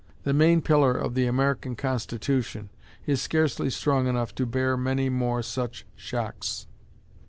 The main pillar of the American Constitution is scarcely strong enough to bear many more such shocks.